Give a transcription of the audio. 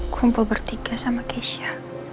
kumpul bertiga sama keisha